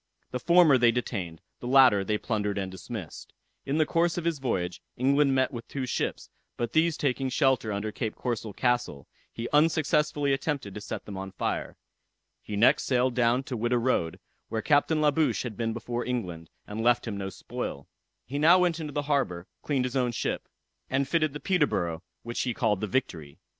The former they detained, the latter they plundered and dismissed. In the course of his voyage, England met with two ships, but these taking shelter under Cape Corso Castle, he unsuccessfully attempted to set them on fire. He next sailed down to Whydah road, where Captain La Bouche had been before England, and left him no spoil. He now went into the harbor, cleaned his own ship, and fitted up the Peterborough, which he called the Victory.